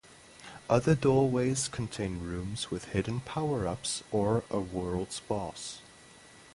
Other doorways contain rooms with hidden power-ups or a world's boss.